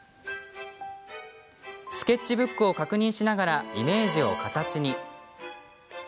スケッチブックを確認しながらイメージを形に。